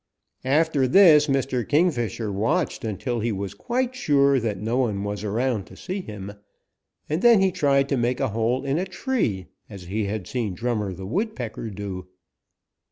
"After this Mr. Kingfisher watched until he was quite sure that no one was around to see him, and then he tried to make a hole in a tree as he had seen Drummer the Woodpecker do.